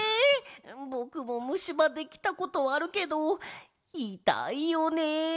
ぼくもむしばできたことあるけどいたいよね。